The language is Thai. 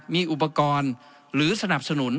มีอุปกรณ์หรือสนับสนุน